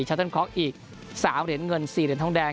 เติ้ลคอกอีก๓เหรียญเงิน๔เหรียญทองแดง